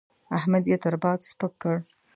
احمد يې تر باد سپک کړ.